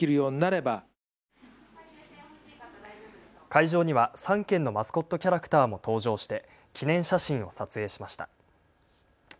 会場には３県のマスコットキャラクターも登場して記念写真を撮影しました。